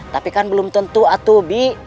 tapi kan belum tentu atuh bi